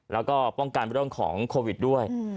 แล้วก็ป้องกันเรื่องของโควิดด้วย